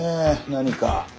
何か？